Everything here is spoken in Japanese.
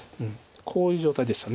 こういう状態でした。